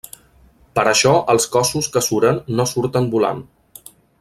Per això els cossos que suren no surten volant.